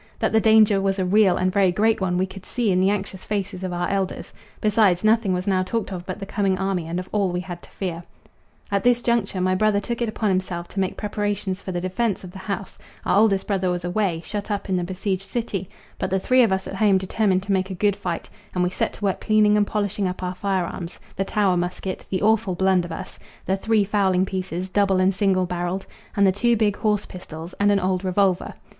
That the danger was a real and very great one we could see in the anxious faces of our elders; besides, nothing was now talked of but the coming army and of all we had to fear. At this juncture my brother took it upon himself to make preparations for the defence of the house Our oldest brother was away, shut up in the besieged city, but the three of us at home determined to make a good fight, and we set to work cleaning and polishing up our firearms the Tower musket, the awful blunderbuss, the three fowling pieces, double and single barrelled, and the two big horse pistols and an old revolver.